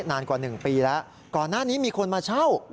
นานกว่า๑ปีแล้วก่อนหน้านี้มีคนมาเช่า